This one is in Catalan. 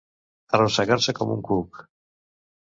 Arrossegar-se com un cuc.